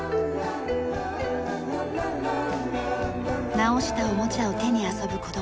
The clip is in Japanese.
直したおもちゃを手に遊ぶ子供たち。